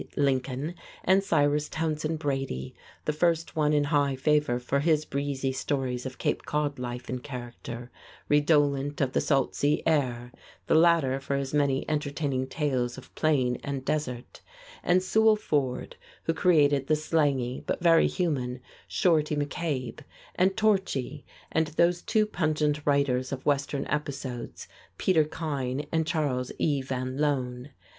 Lincoln and Cyrus Townsend Brady, the first one in high favor for his breezy stories of Cape Cod life and character, redolent of the salt sea air, the latter for his many entertaining tales of plain and desert; and Sewell Ford, who created the slangy but very human "Shorty McCabe" and "Torchy"; and those two pungent writers of Western episodes, Peter Kyne and Charles E. Van Loan.